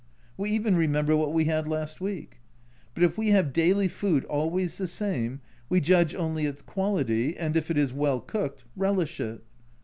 We even re member what we had last week but if we have daily food always the same, we judge only its quality, and if it is well cooked, relish it.